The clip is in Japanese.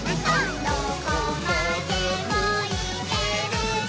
「どこまでもいけるぞ！」